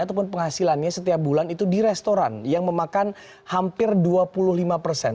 ataupun penghasilannya setiap bulan itu di restoran yang memakan hampir dua puluh lima persen